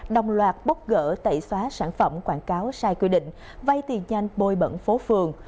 đồng loạt bóc gỡ tẩy xóa sản phẩm quảng cáo sai quy định vay tiền nhanh bôi bẩn phố phường